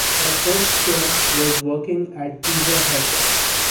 Her first job was working at Pizza Hut.